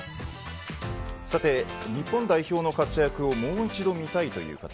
さて、日本代表の活躍をもう一度見たいという方